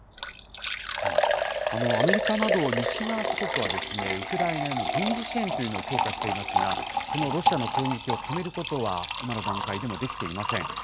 アメリカなど西側諸国は、ウクライナへの軍事支援というのを強化していますが、そのロシアの攻撃を止めることは、今の段階でもできていません。